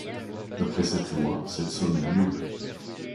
D'après cette loi, cette somme est nulle.